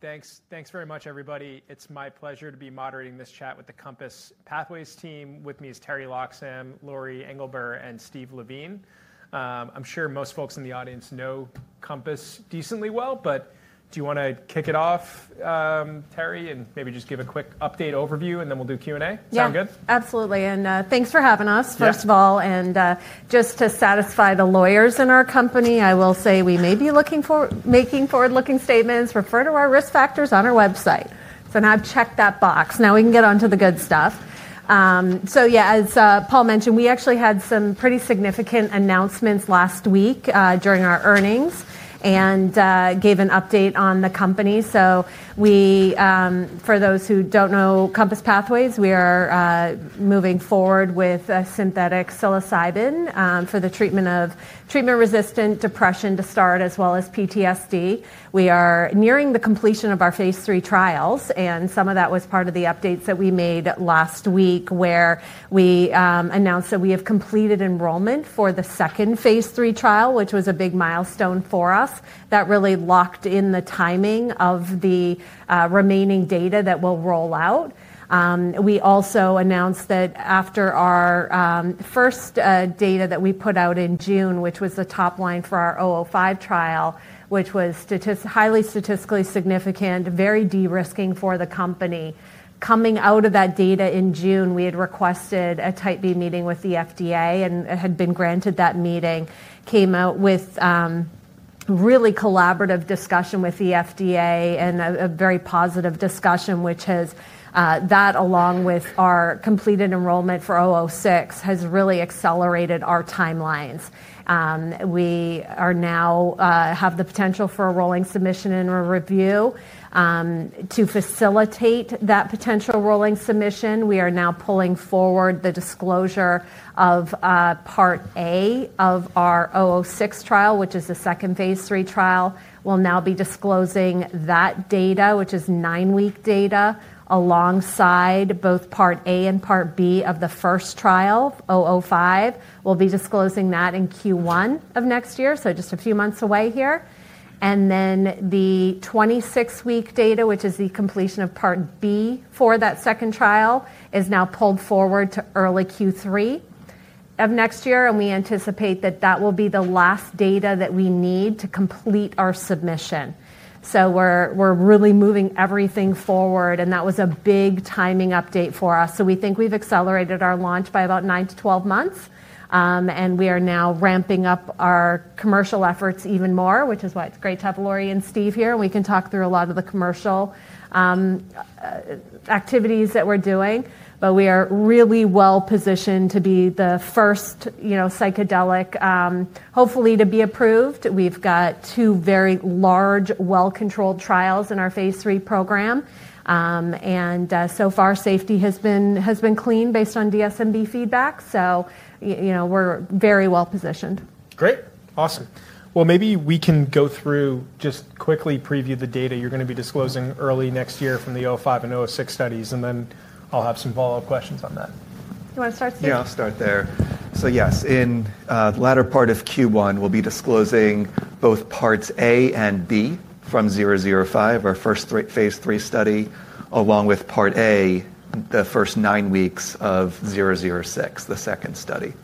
Thanks very much, everybody. It's my pleasure to be moderating this chat with the Compass Pathways team. With me is Teri Loxam, Lori Englebert, and Steve Levine. I'm sure most folks in the audience know Compass decently well, but do you want to kick it off, Teri, and maybe just give a quick update overview, and then we'll do Q&A? Sound good? Yeah, absolutely. Thanks for having us, first of all. Just to satisfy the lawyers in our company, I will say we may be making forward-looking statements. Refer to our risk factors on our website. Now check that box. Now we can get on to the good stuff. Yeah, as Paul mentioned, we actually had some pretty significant announcements last week during our earnings and gave an update on the company. For those who don't know Compass Pathways, we are moving forward with synthetic psilocybin for the treatment of treatment-resistant depression to start, as well as PTSD. We are nearing the completion of our phase III trials. Some of that was part of the updates that we made last week where we announced that we have completed enrollment for the second phase III trial, which was a big milestone for us. That really locked in the timing of the remaining data that will roll out. We also announced that after our first data that we put out in June, which was the top line for our 005 trial, which was highly statistically significant, very de-risking for the company. Coming out of that data in June, we had requested a Type B meeting with the FDA, and it had been granted that meeting. Came out with really collaborative discussion with the FDA and a very positive discussion, which has that along with our completed enrollment for 006 has really accelerated our timelines. We now have the potential for a rolling submission and a review. To facilitate that potential rolling submission, we are now pulling forward the disclosure of part A of our 006 trial, which is the second phase III trial. We'll now be disclosing that data, which is nine-week data, alongside both part A and part B of the first trial, 005. We'll be disclosing that in Q1 of next year, just a few months away here. The 26-week data, which is the completion of part B for that second trial, is now pulled forward to early Q3 of next year. We anticipate that that will be the last data that we need to complete our submission. We're really moving everything forward. That was a big timing update for us. We think we've accelerated our launch by about 9-12 months. We are now ramping up our commercial efforts even more, which is why it's great to have Lori and Steve here. We can talk through a lot of the commercial activities that we're doing. We are really well positioned to be the first psychedelic, hopefully to be approved. We've got two very large, well-controlled trials in our phase III program. So far, safety has been clean based on DSMB feedback. We are very well positioned. Great. Awesome. Maybe we can go through, just quickly preview the data you're going to be disclosing early next year from the 005 and 006 studies. I have some follow-up questions on that. You want to start, Steve? Yeah, I'll start there. Yes, in the latter part of Q1, we'll be disclosing both parts A and B from 005, our first phase III study, along with part A, the first nine weeks of 006, the second study.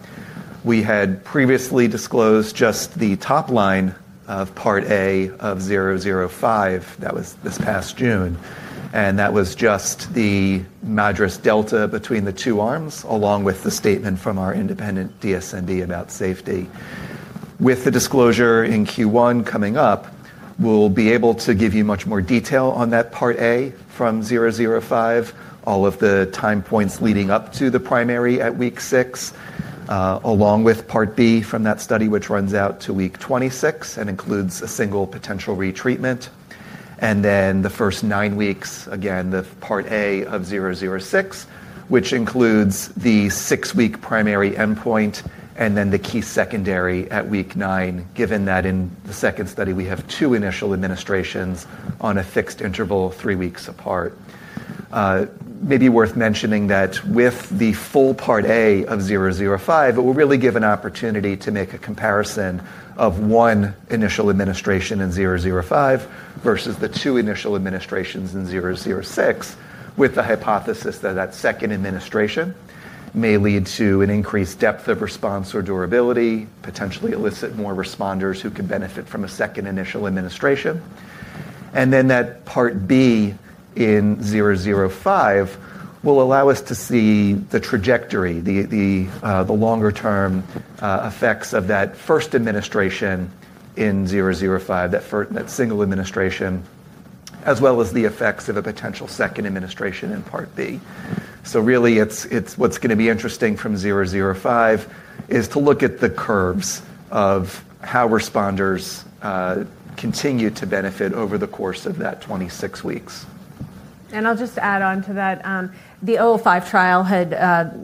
We had previously disclosed just the top line of part A of 005. That was this past June. That was just the MADRS delta between the two arms, along with the statement from our independent DSMB about safety. With the disclosure in Q1 coming up, we'll be able to give you much more detail on that part A from 005, all of the time points leading up to the primary at week six, along with part B from that study, which runs out to week 26 and includes a single potential retreatment. The first nine weeks, again, the part A of 006, which includes the six-week primary endpoint and then the key secondary at week nine, given that in the second study we have two initial administrations on a fixed interval three weeks apart. Maybe worth mentioning that with the full part A of 005, it will really give an opportunity to make a comparison of one initial administration in 005 versus the two initial administrations in 006, with the hypothesis that that second administration may lead to an increased depth of response or durability, potentially elicit more responders who could benefit from a second initial administration. That part B in 005 will allow us to see the trajectory, the longer-term effects of that first administration in 005, that single administration, as well as the effects of a potential second administration in part B. Really, what's going to be interesting from 005 is to look at the curves of how responders continue to benefit over the course of that 26 weeks. I'll just add on to that. The 005 trial,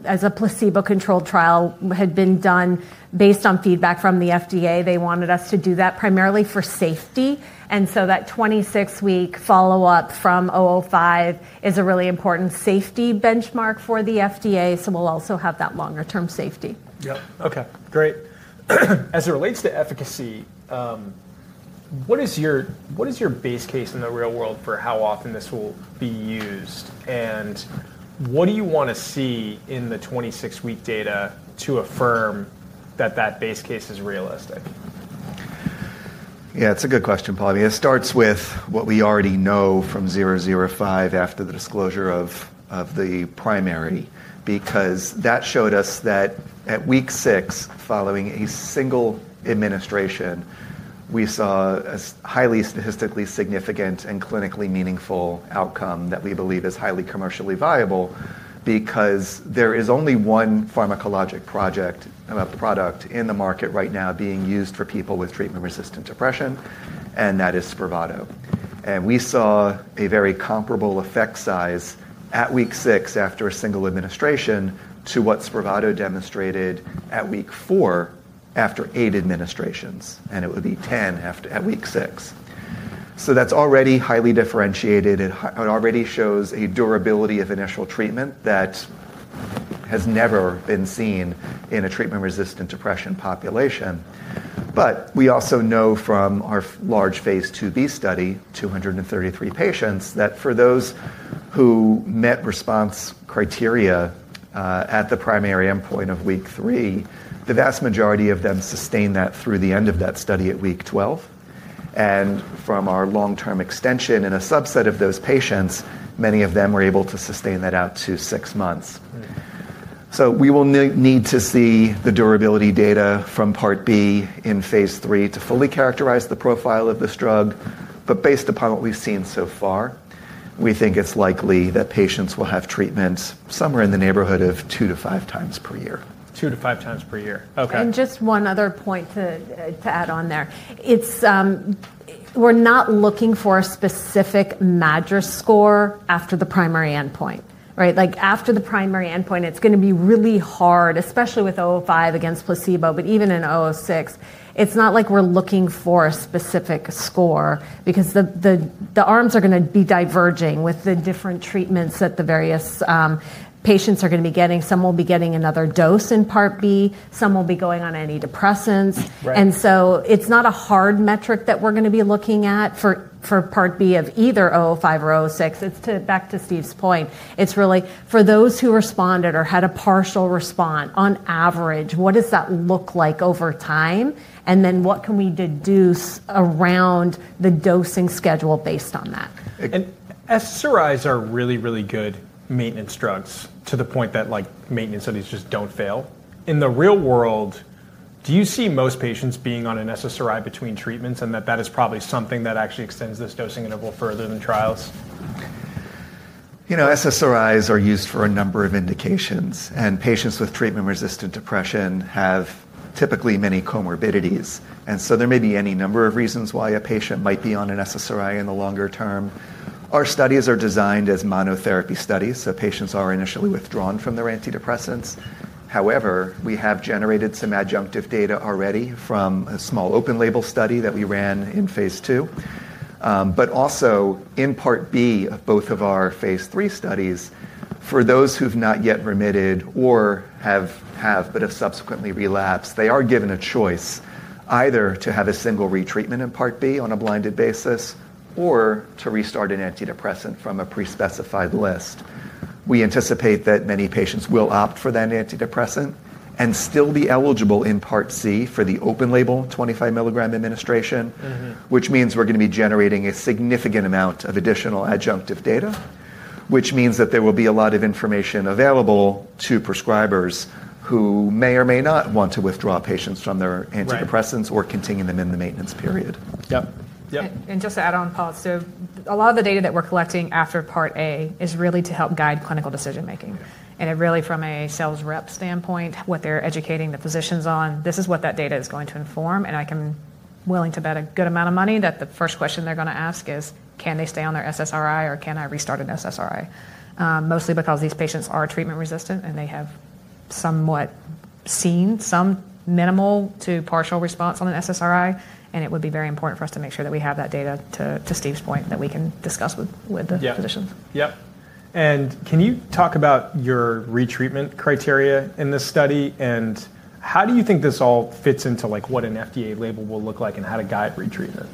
as a placebo-controlled trial, had been done based on feedback from the FDA. They wanted us to do that primarily for safety. That 26-week follow-up from 005 is a really important safety benchmark for the FDA. We'll also have that longer-term safety. Yep. OK, great. As it relates to efficacy, what is your base case in the real world for how often this will be used? What do you want to see in the 26-week data to affirm that that base case is realistic? Yeah, it's a good question, Paul. I mean, it starts with what we already know from 005 after the disclosure of the primary, because that showed us that at week six, following a single administration, we saw a highly statistically significant and clinically meaningful outcome that we believe is highly commercially viable, because there is only one pharmacologic product in the market right now being used for people with treatment-resistant depression, and that is Spravato. We saw a very comparable effect size at week six after a single administration to what Spravato demonstrated at week four after eight administrations. It would be 10 at week six. That is already highly differentiated. It already shows a durability of initial treatment that has never been seen in a treatment-resistant depression population. We also know from our large phase two B study, 233 patients, that for those who met response criteria at the primary endpoint of week three, the vast majority of them sustained that through the end of that study at week 12. From our long-term extension in a subset of those patients, many of them were able to sustain that out to six months. We will need to see the durability data from part B in phase III to fully characterize the profile of this drug. Based upon what we've seen so far, we think it's likely that patients will have treatments somewhere in the neighborhood of two to five times per year. Two to five times per year. OK. Just one other point to add on there. We're not looking for a specific MADRS score after the primary endpoint. After the primary endpoint, it's going to be really hard, especially with 005 against placebo, but even in 006. It's not like we're looking for a specific score, because the arms are going to be diverging with the different treatments that the various patients are going to be getting. Some will be getting another dose in part B. Some will be going on antidepressants. It's not a hard metric that we're going to be looking at for part B of either 005 or 006. It's back to Steve's point. It's really for those who responded or had a partial response, on average, what does that look like over time? What can we deduce around the dosing schedule based on that? SSRIs are really, really good maintenance drugs to the point that maintenance studies just do not fail. In the real world, do you see most patients being on an SSRI between treatments? That is probably something that actually extends this dosing interval further than trials. You know, SSRIs are used for a number of indications. Patients with treatment-resistant depression have typically many comorbidities. There may be any number of reasons why a patient might be on an SSRI in the longer term. Our studies are designed as monotherapy studies, so patients are initially withdrawn from their antidepressants. However, we have generated some adjunctive data already from a small open-label study that we ran in phase two. Also, in part B of both of our phase III studies, for those who have not yet remitted or have but have subsequently relapsed, they are given a choice either to have a single retreatment in part B on a blinded basis or to restart an antidepressant from a pre-specified list. We anticipate that many patients will opt for that antidepressant and still be eligible in part C for the open-label 25 milligram administration, which means we're going to be generating a significant amount of additional adjunctive data, which means that there will be a lot of information available to prescribers who may or may not want to withdraw patients from their antidepressants or continue them in the maintenance period. Yep. Just to add on, Paul, a lot of the data that we're collecting after part A is really to help guide clinical decision-making. It really, from a sales rep standpoint, what they're educating the physicians on, this is what that data is going to inform. I'm willing to bet a good amount of money that the first question they're going to ask is, can they stay on their SSRI or can I restart an SSRI? Mostly because these patients are treatment-resistant and they have somewhat seen some minimal to partial response on an SSRI. It would be very important for us to make sure that we have that data, to Steve's point, that we can discuss with the physicians. Yep. Can you talk about your retreatment criteria in this study? How do you think this all fits into what an FDA label will look like and how to guide retreatment?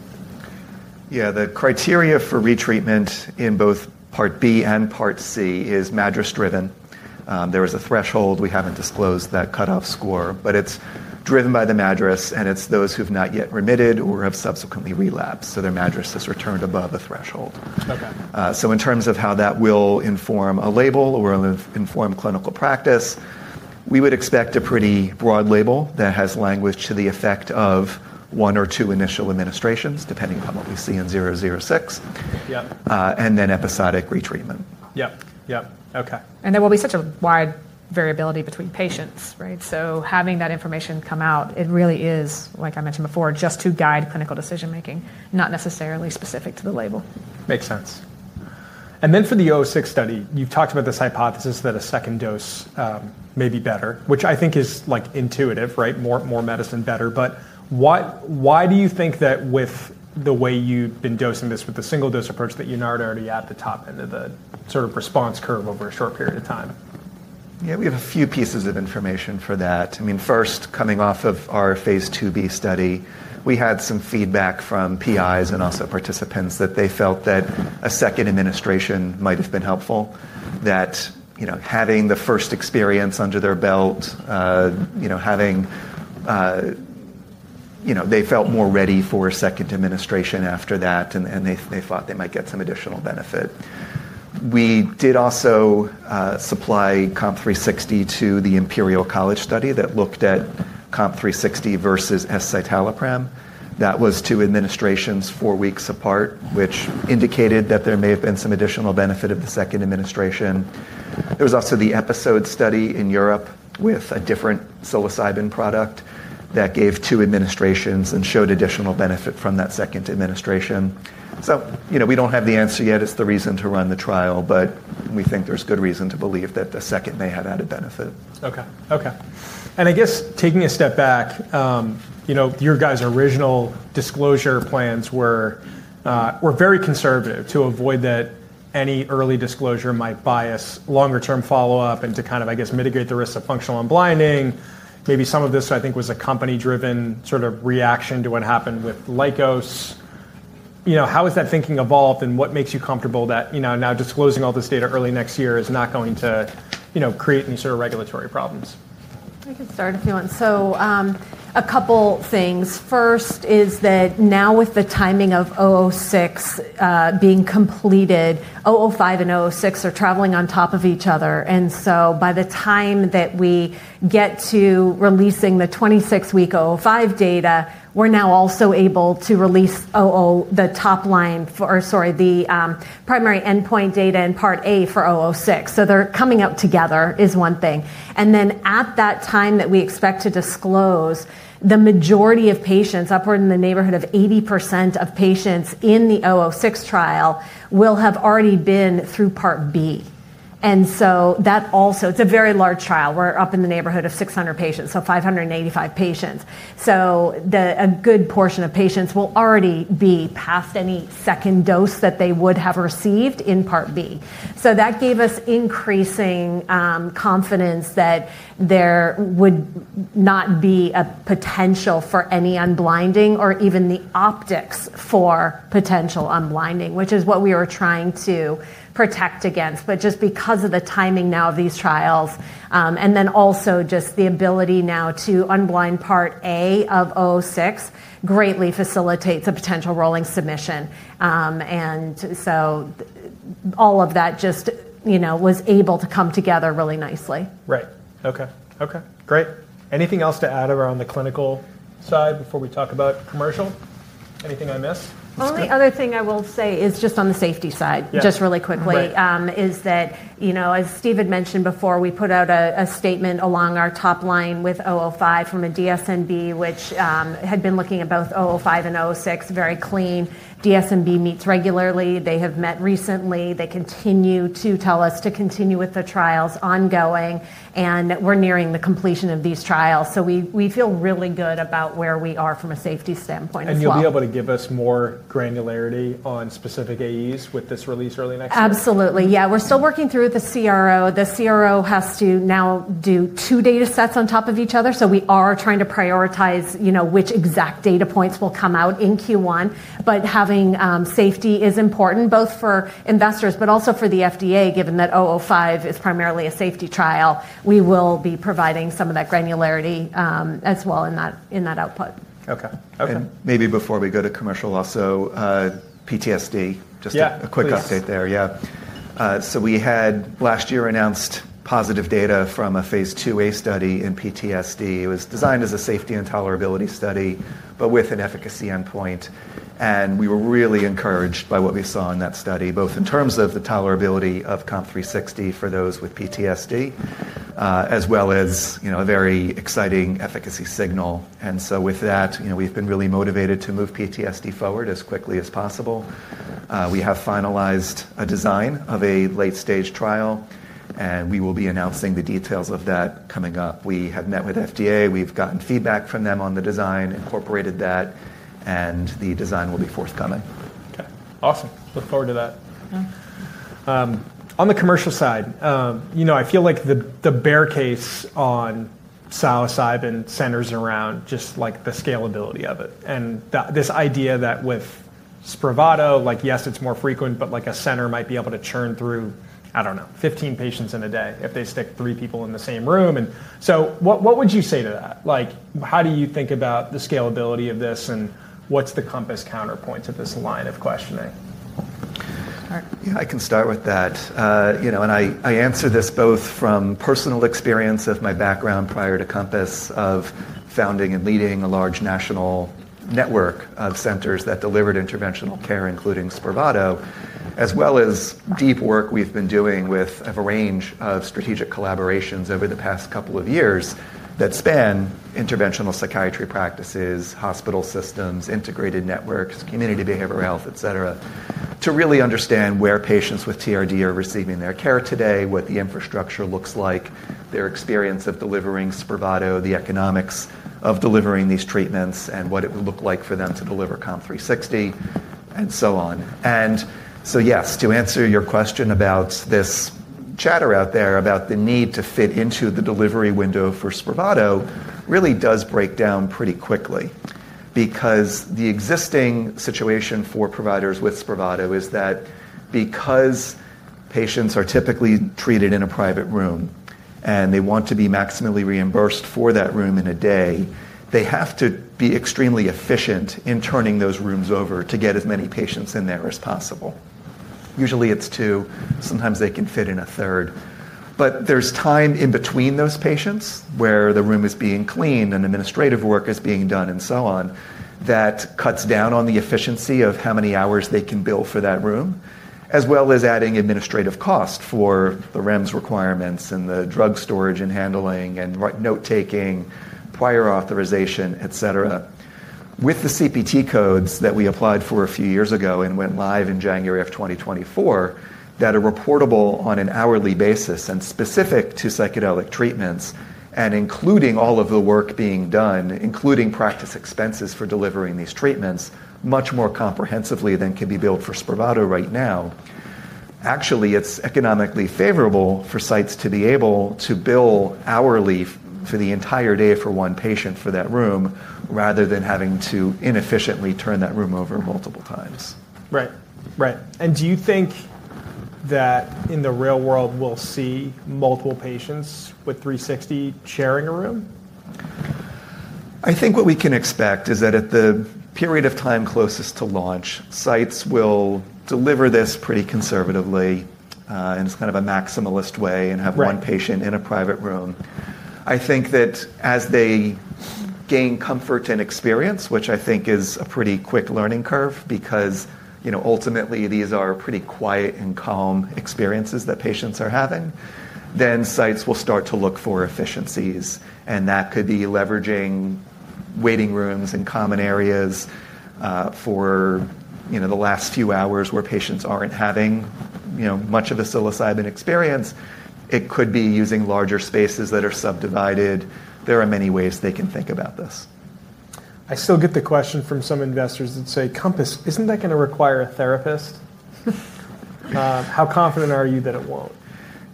Yeah, the criteria for retreatment in both part B and part C is MADRS-driven. There is a threshold. We haven't disclosed that cutoff score. It is driven by the MADRS. It is those who've not yet remitted or have subsequently relapsed. Their MADRS has returned above a threshold. In terms of how that will inform a label or inform clinical practice, we would expect a pretty broad label that has language to the effect of one or two initial administrations, depending upon what we see in 006, and then episodic retreatment. Yep. Yep. OK. There will be such a wide variability between patients. Having that information come out, it really is, like I mentioned before, just to guide clinical decision-making, not necessarily specific to the label. Makes sense. For the 006 study, you've talked about this hypothesis that a second dose may be better, which I think is intuitive, more medicine, better. Why do you think that with the way you've been dosing this with the single dose approach that you're not already at the top end of the sort of response curve over a short period of time? Yeah, we have a few pieces of information for that. I mean, first, coming off of our phase IIb study, we had some feedback from PIs and also participants that they felt that a second administration might have been helpful, that having the first experience under their belt, they felt more ready for a second administration after that. They thought they might get some additional benefit. We did also supply COMP360 to the Imperial College study that looked at COMP360 versus escitalopram. That was two administrations four weeks apart, which indicated that there may have been some additional benefit of the second administration. There was also the episode study in Europe with a different psilocybin product that gave two administrations and showed additional benefit from that second administration. We do not have the answer yet as to the reason to run the trial. We think there's good reason to believe that the second may have added benefit. OK. OK. I guess taking a step back, your guys' original disclosure plans were very conservative to avoid that any early disclosure might bias longer-term follow-up and to kind of, I guess, mitigate the risk of functional unblinding. Maybe some of this, I think, was a company-driven sort of reaction to what happened with Lykos. How has that thinking evolved? What makes you comfortable that now disclosing all this data early next year is not going to create any sort of regulatory problems? I can start if you want. So a couple of things. First is that now with the timing of 006 being completed, 005 and 006 are traveling on top of each other. By the time that we get to releasing the 26-week 005 data, we're now also able to release the top line for, sorry, the primary endpoint data in part A for 006. They're coming out together is one thing. At that time that we expect to disclose, the majority of patients, upward in the neighborhood of 80% of patients in the 006 trial, will have already been through part B. That also, it's a very large trial. We're up in the neighborhood of 600 patients, so 585 patients. A good portion of patients will already be past any second dose that they would have received in part B. That gave us increasing confidence that there would not be a potential for any unblinding or even the optics for potential unblinding, which is what we are trying to protect against. Just because of the timing now of these trials, and then also just the ability now to unblind part A of 006 greatly facilitates a potential rolling submission. All of that just was able to come together really nicely. Right. OK. OK, great. Anything else to add around the clinical side before we talk about commercial? Anything I missed? Only other thing I will say is just on the safety side, just really quickly, is that, as Steve had mentioned before, we put out a statement along our top line with 005 from a DSMB, which had been looking at both 005 and 006, very clean. DSMB meets regularly. They have met recently. They continue to tell us to continue with the trials ongoing. We're nearing the completion of these trials. We feel really good about where we are from a safety standpoint. You'll be able to give us more granularity on specific AEs with this release early next year? Absolutely. Yeah, we're still working through the CRO. The CRO has to now do two data sets on top of each other. We are trying to prioritize which exact data points will come out in Q1. Having safety is important both for investors, but also for the FDA, given that 005 is primarily a safety trial. We will be providing some of that granularity as well in that output. OK. OK. Maybe before we go to commercial also, PTSD, just a quick update there. Yeah. We had last year announced positive data from a phase two A study in PTSD. It was designed as a safety and tolerability study, but with an efficacy endpoint. We were really encouraged by what we saw in that study, both in terms of the tolerability of COMP360 for those with PTSD, as well as a very exciting efficacy signal. With that, we have been really motivated to move PTSD forward as quickly as possible. We have finalized a design of a late-stage trial. We will be announcing the details of that coming up. We have met with the FDA. We have gotten feedback from them on the design, incorporated that. The design will be forthcoming. OK. Awesome. Look forward to that. On the commercial side, I feel like the bear case on psilocybin centers around just the scalability of it. And this idea that with Spravato, yes, it's more frequent, but a center might be able to churn through, I don't know, 15 patients in a day if they stick three people in the same room. And so what would you say to that? How do you think about the scalability of this? And what's the Compass counterpoint to this line of questioning? Yeah, I can start with that. I answer this both from personal experience of my background prior to Compass, of founding and leading a large national network of centers that delivered interventional care, including Spravato, as well as deep work we've been doing with a range of strategic collaborations over the past couple of years that span interventional psychiatry practices, hospital systems, integrated networks, community behavioral health, et cetera, to really understand where patients with TRD are receiving their care today, what the infrastructure looks like, their experience of delivering Spravato, the economics of delivering these treatments, and what it would look like for them to deliver COMP360, and so on. Yes, to answer your question about this chatter out there about the need to fit into the delivery window for Spravato really does break down pretty quickly, because the existing situation for providers with Spravato is that because patients are typically treated in a private room and they want to be maximally reimbursed for that room in a day, they have to be extremely efficient in turning those rooms over to get as many patients in there as possible. Usually, it's two. Sometimes they can fit in a third. There is time in between those patients where the room is being cleaned and administrative work is being done and so on that cuts down on the efficiency of how many hours they can bill for that room, as well as adding administrative cost for the REMS requirements and the drug storage and handling and note-taking, prior authorization, et cetera. With the CPT codes that we applied for a few years ago and went live in January of 2024, that are reportable on an hourly basis and specific to psychedelic treatments, and including all of the work being done, including practice expenses for delivering these treatments, much more comprehensively than can be billed for Spravato right now, actually, it is economically favorable for sites to be able to bill hourly for the entire day for one patient for that room rather than having to inefficiently turn that room over multiple times. Right. Right. Do you think that in the real world we'll see multiple patients with 360 sharing a room? I think what we can expect is that at the period of time closest to launch, sites will deliver this pretty conservatively in kind of a maximalist way and have one patient in a private room. I think that as they gain comfort and experience, which I think is a pretty quick learning curve, because ultimately these are pretty quiet and calm experiences that patients are having, sites will start to look for efficiencies. That could be leveraging waiting rooms and common areas for the last few hours where patients aren't having much of a psilocybin experience. It could be using larger spaces that are subdivided. There are many ways they can think about this. I still get the question from some investors that say, Compass, isn't that going to require a therapist? How confident are you that it won't?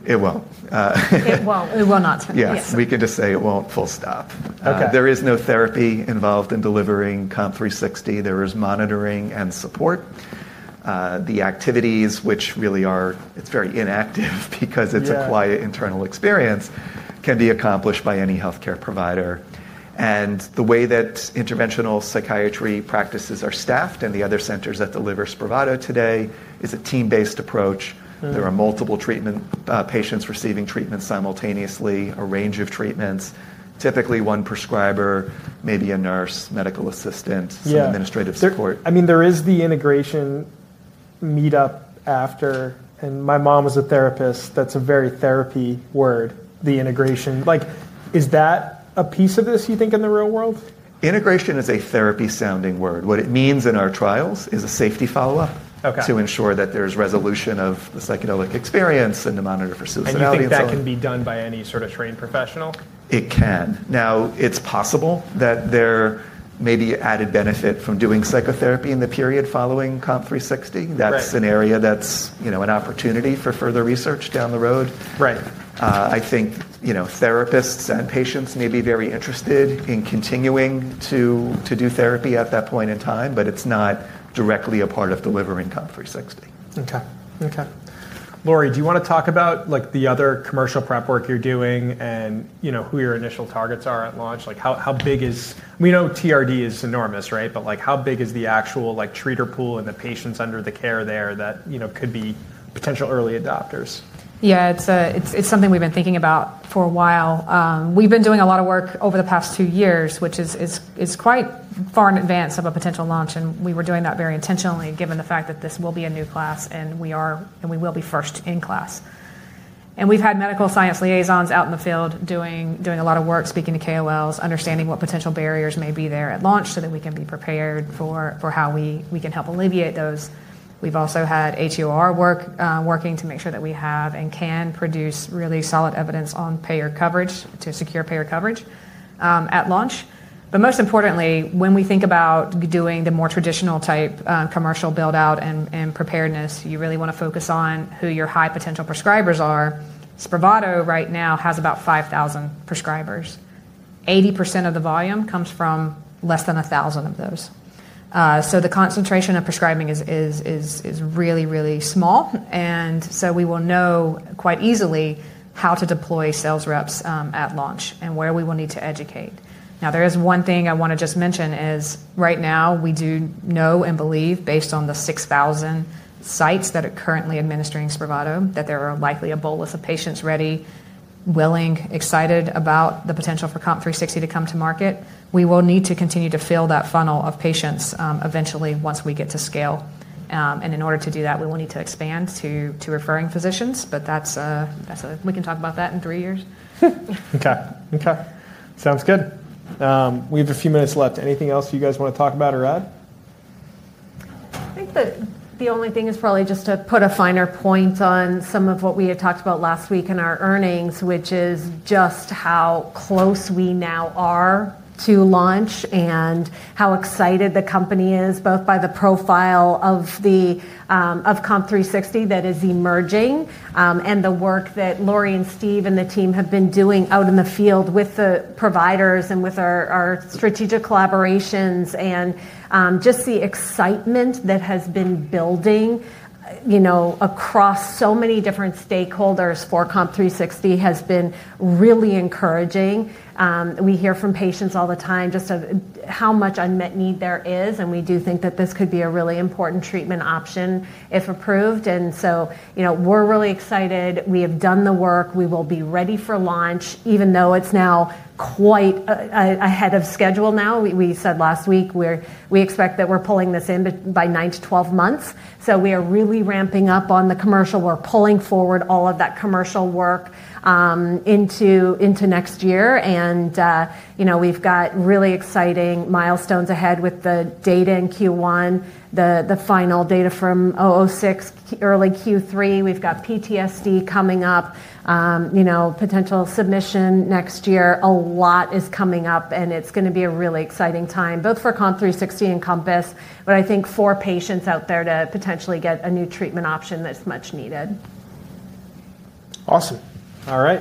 It won't. It will not. Yes. We can just say it won't. Full stop. There is no therapy involved in delivering COMP360. There is monitoring and support. The activities, which really are very inactive because it's a quiet internal experience, can be accomplished by any health care provider. The way that interventional psychiatry practices are staffed and the other centers that deliver Spravato today is a team-based approach. There are multiple patients receiving treatment simultaneously, a range of treatments, typically one prescriber, maybe a nurse, medical assistant, some administrative support. I mean, there is the integration meetup after. And my mom was a therapist. That's a very therapy word, the integration. Is that a piece of this, you think, in the real world? Integration is a therapy-sounding word. What it means in our trials is a safety follow-up to ensure that there's resolution of the psychedelic experience and to monitor for suicidality. You think that can be done by any sort of trained professional? It can. Now, it's possible that there may be added benefit from doing psychotherapy in the period following COMP360. That's an area that's an opportunity for further research down the road. I think therapists and patients may be very interested in continuing to do therapy at that point in time. It's not directly a part of delivering COMP360. OK. OK. Lori, do you want to talk about the other commercial prep work you're doing and who your initial targets are at launch? How big is we know TRD is enormous, right? But how big is the actual treater pool and the patients under the care there that could be potential early adopters? Yeah, it's something we've been thinking about for a while. We've been doing a lot of work over the past two years, which is quite far in advance of a potential launch. We were doing that very intentionally, given the fact that this will be a new class. We will be first in class. We've had medical science liaisons out in the field doing a lot of work, speaking to KOLs, understanding what potential barriers may be there at launch so that we can be prepared for how we can help alleviate those. We've also had HEOR working to make sure that we have and can produce really solid evidence on payer coverage to secure payer coverage at launch. Most importantly, when we think about doing the more traditional type commercial build-out and preparedness, you really want to focus on who your high potential prescribers are. Spravato right now has about 5,000 prescribers. 80% of the volume comes from less than 1,000 of those. The concentration of prescribing is really, really small. We will know quite easily how to deploy sales reps at launch and where we will need to educate. There is one thing I want to just mention. Right now we do know and believe, based on the 6,000 sites that are currently administering Spravato, that there are likely a bolus of patients ready, willing, excited about the potential for COMP360 to come to market. We will need to continue to fill that funnel of patients eventually once we get to scale. In order to do that, we will need to expand to referring physicians. We can talk about that in three years. OK. OK. Sounds good. We have a few minutes left. Anything else you guys want to talk about or add? I think that the only thing is probably just to put a finer point on some of what we had talked about last week in our earnings, which is just how close we now are to launch and how excited the company is, both by the profile of COMP360 that is emerging and the work that Lori and Steve and the team have been doing out in the field with the providers and with our strategic collaborations. Just the excitement that has been building across so many different stakeholders for COMP360 has been really encouraging. We hear from patients all the time just how much unmet need there is. We do think that this could be a really important treatment option if approved. We are really excited. We have done the work. We will be ready for launch, even though it's now quite ahead of schedule now. We said last week we expect that we're pulling this in by 9-12 months. We are really ramping up on the commercial. We're pulling forward all of that commercial work into next year. We've got really exciting milestones ahead with the data in Q1, the final data from 006, early Q3. We've got PTSD coming up, potential submission next year. A lot is coming up. It's going to be a really exciting time, both for COMP360 and Compass, but I think for patients out there to potentially get a new treatment option that's much needed. Awesome. All right.